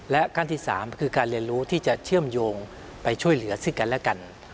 และขั้นที่๓คือการเรียนรู้ที่จะเชื่อมโยงไปช่วยเหลือซึ่งกันและกัน